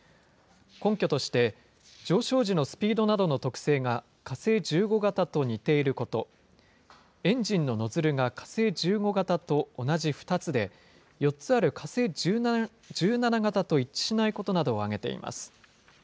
根拠として、上昇時のスピードなどの特性が火星１５型と似ていること、エンジンのノズルが火星１５型と同じ２つで、４つある火星１７型と一致しないことなどを挙げています。